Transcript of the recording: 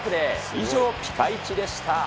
以上、ピカイチでした。